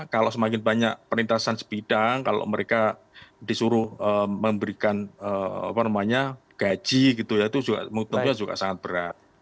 kalau semakin banyak perlintasan sepidang kalau mereka disuruh memberikan gaji itu tentunya juga sangat berat